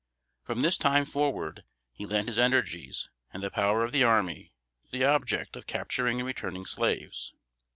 From this time forward, he lent his energies, and the power of the army, to the object of capturing and returning slaves.